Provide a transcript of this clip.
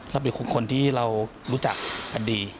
และพี่คนที่เรารู้จักกันดี